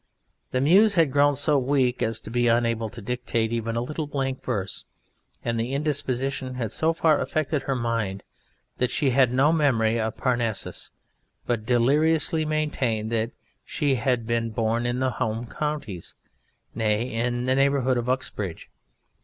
The Muse had grown so weak as to be unable to dictate even a little blank verse, and the indisposition had so far affected her mind that she had no memory of Parnassus, but deliriously maintained that she had been born in the home counties nay, in the neighbourhood of Uxbridge.